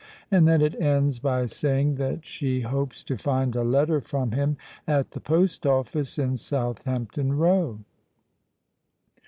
And then it ends by saying that she hopes to find a letter from him at the post office in Southampton Row."